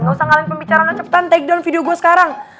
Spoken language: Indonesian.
gak usah ngalahin pembicaraan cepetan take down video gue sekarang